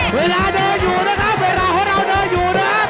เวลาเราได้อยู่นะครับ